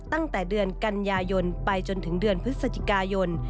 ตั้งแต่เดือนกันยายนไปจนถึงเดือนพฤศจิกายน